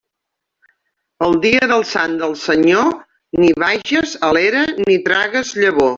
El dia del sant del Senyor, ni vages a l'era ni tragues llavor.